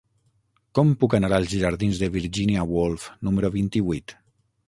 Com puc anar als jardins de Virginia Woolf número vint-i-vuit?